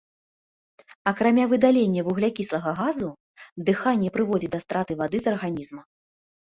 Акрамя выдалення вуглякіслага газу, дыханне прыводзіць да страты вады з арганізма.